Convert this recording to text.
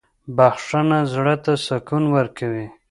• بخښنه زړه ته سکون ورکوي.